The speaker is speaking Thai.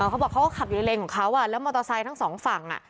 เขาบอกเขาก็ขับอยู่ในเลนของเขาแล้วมอเตอร์ไซค์ทั้งสองฝั่ง